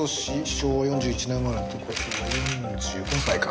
昭和４１年生まれって事は４５歳か。